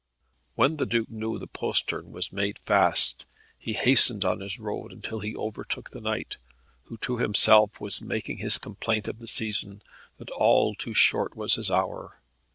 When the Duke knew the postern was made fast, he hastened on his road until he overtook the knight, who to himself was making his complaint of the season, that all too short was his hour.